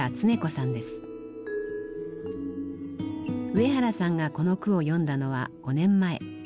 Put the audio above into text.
上原さんがこの句を詠んだのは５年前。